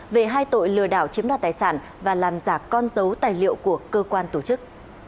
về hai tội lừa đảo chiếm đoạt tài sản và làm giả con dấu tài liệu của cơ quan tổ chức